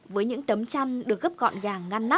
với những tấm chăn được gấp gọn gàng ngăn nắp